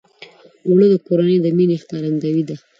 اوړه د کورنۍ د مینې ښکارندویي ده